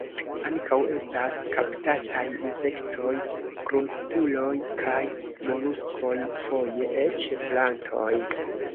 Ankaŭ estas kaptataj insektoj, krustuloj kaj moluskoj, foje eĉ plantoj.